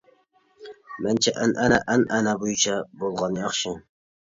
مەنچە ئەنئەنە ئەنئەنە بويىچە بولغان ياخشى.